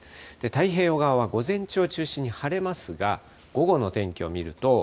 太平洋側は午前中を中心に晴れますが、午後の天気を見ると。